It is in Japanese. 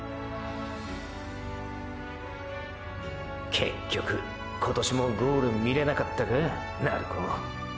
結局今年もゴール見れなかったかァ鳴子。